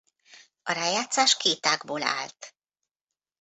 A rájátszás két ágból állt.